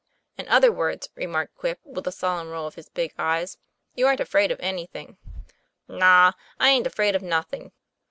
In other words," remarked Quip, with a solemn roll of his big eyes, "you aren't afraid of any thing." '* Naw I aint afraid of nothing."